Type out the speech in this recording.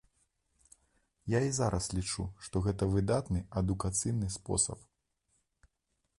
Я і зараз лічу, што гэта выдатны адукацыйны спосаб.